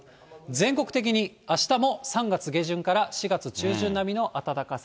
全国的にあしたも３月下旬から４月中旬並みの暖かさ。